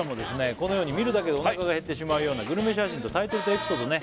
このように見るだけでお腹が減ってしまうようなグルメ写真とタイトルとエピソードね